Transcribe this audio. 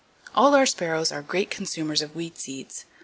—All our sparrows are great consumers of weed seeds.